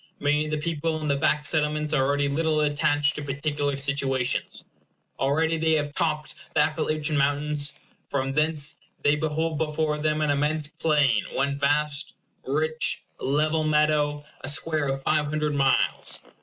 Many of the people in the back settlements are already little attached to particular situations. Already they have topped the Appalachian Mountains. From thence they behold before them an immense plain, one vast, rich, level meadow; a square of five hundred miles.